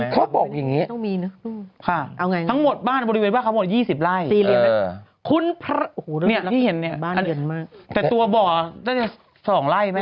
เขาบอกอย่างนี้ทั้งหมดบ้านบริเวณว่าเขาหมด๒๐ไล่คุณพรนี่ที่เห็นเนี่ยแต่ตัวบ่อ๒ไล่แม่